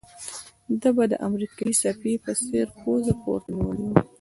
ده به د امریکایي سپي په څېر پوزه پورته نيولې وه.